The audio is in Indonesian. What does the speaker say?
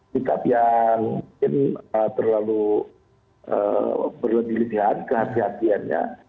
kita yang terlalu berlebihan kehati hatian ya